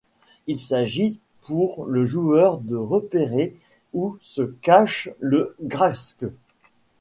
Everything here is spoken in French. Il s'agit pour le joueur de repérer où se cache le Graske.